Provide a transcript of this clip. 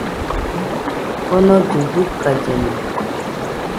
Onollɨ jɨkallena